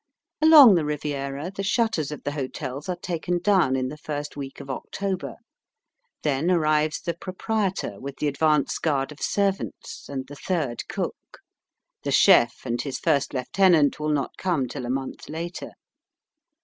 Along the Riviera the shutters of the hotels are taken down in the first week of October. Then arrives the proprietor with the advance guard of servants, and the third cook; the chef and his first lieutenant will not come till a month later.